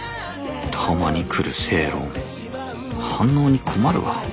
たまに来る正論反応に困るわ